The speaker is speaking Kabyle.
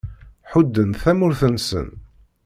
Ḥudden tamurt-nsen.